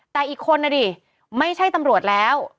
แต่อีกคนนะดิไม่ใช่ตำรวจแล้ว